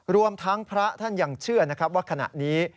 รวมทั้งพระท่านยังเชื่อนะครับว่าขณะนี้